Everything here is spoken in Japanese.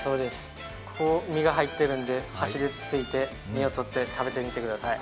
ここに身が入ってるで、箸でつついて、身をとって食べてみてください。